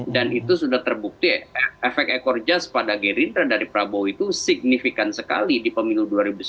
dan itu sudah terbukti efek ekor jas pada gerindra dari prabowo itu signifikan sekali di pemilu dua ribu sembilan belas